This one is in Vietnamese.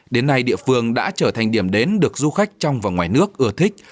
đến nay địa phương đã trở thành điểm đến được du khách trong và ngoài nước ưa thích